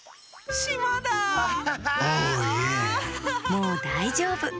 もうだいじょうぶ。